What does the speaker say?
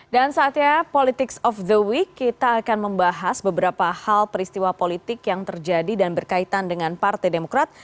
dan saatnya politics of the week kita akan membahas beberapa hal peristiwa politik yang terjadi dan berkaitan dengan partai demokrat